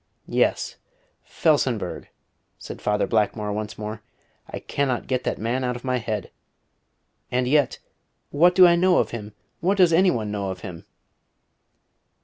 "Yes; Felsenburgh," said Father Blackmore once more. "I cannot get that man out of my head. And yet, what do I know of him? What does any one know of him?"